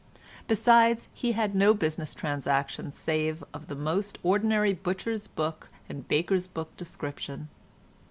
Besides he had no business transactions save of the most ordinary butcher's book and baker's book description.